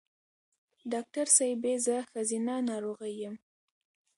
ډاکټر صېبې زه ښځېنه ناروغی یم